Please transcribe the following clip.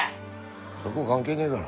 そこ関係ねえだろ。